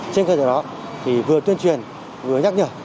trên cơ sở đó thì vừa tuyên truyền vừa nhắc nhở